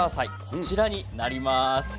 こちらになります。